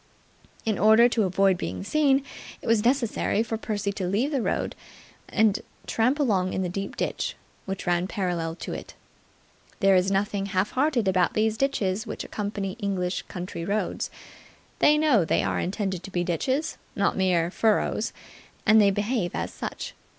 In order to avoid being seen, it was necessary for Percy to leave the road and tramp along in the deep ditch which ran parallel to it. There is nothing half hearted about these ditches which accompany English country roads. They know they are intended to be ditches, not mere furrows, and they behave as such.